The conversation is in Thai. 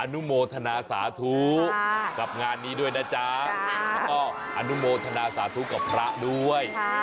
นุโมทนาสาธุกับงานนี้ด้วยนะจ๊ะแล้วก็อนุโมทนาสาธุกับพระด้วย